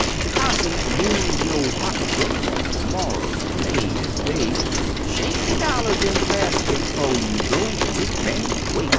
De 'possum means yo' pocketbook, de moral's plain ez day: Shake de dollars in de basket 'fo' you go de rich man's way!